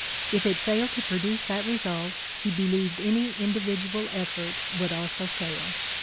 If it failed to produce that result, he believed any individual effort would also fail.